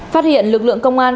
phát hiện lực lượng công an